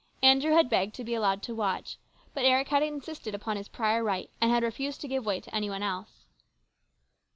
Andrew had begged to be allowed to watch, but Eric had insisted upon his prior right and had refused to give way to any one else.